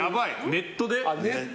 ネットで？